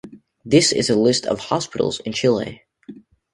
This is a list of hospitals in Chile.